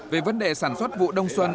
về vấn đề sản xuất vụ đông xuân